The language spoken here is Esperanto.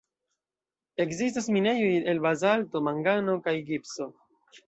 Ekzistas minejoj el bazalto, mangano kaj gipso.